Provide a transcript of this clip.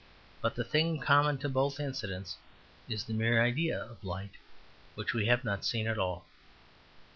But the thing common to both incidents is the mere idea of light which we have not seen at all.